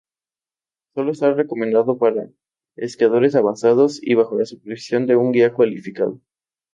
Solo está recomendado para esquiadores avanzados y bajo la supervisión de un guía cualificado.